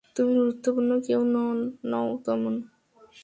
তুমি গুরুত্বপূর্ণ কেউ নও তেমন।